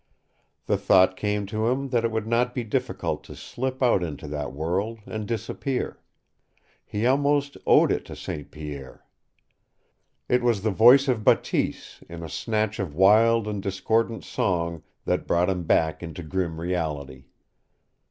The thought came to him that it would not be difficult to slip out into that world and disappear. He almost owed it to St. Pierre. It was the voice of Bateese in a snatch of wild and discordant song that brought him back into grim reality.